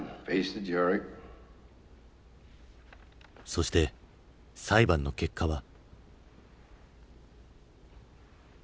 そして裁判の結果は。